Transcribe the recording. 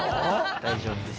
大丈夫です。